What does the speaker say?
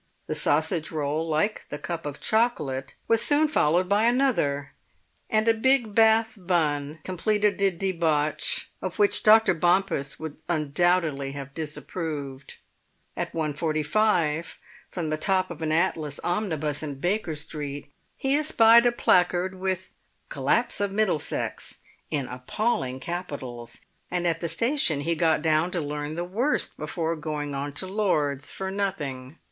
The sausage roll, like the cup of chocolate, was soon followed by another; and a big Bath bun completed a debauch of which Dr. Bompas would undoubtedly have disapproved. At 1.45, from the top of an Atlas omnibus in Baker Street, he espied a placard with "Collapse of Middlesex" in appalling capitals. And at the station he got down to learn the worst before going on to Lord's for nothing.